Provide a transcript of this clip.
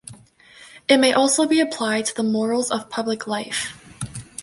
It may also be applied to the "morals of public life".